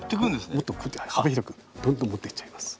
もっと幅広くどんどん持ってっちゃいます。